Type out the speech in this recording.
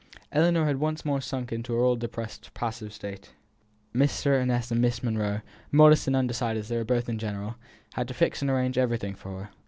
Ellinor had once more sunk into her old depressed passive state; Mr. Ness and Miss Monro, modest and undecided as they both were in general, had to fix and arrange everything for her.